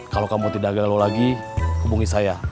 kalau kamu tidak galau lagi hubungi saya